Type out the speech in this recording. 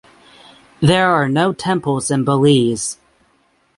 There are no temples in Belize.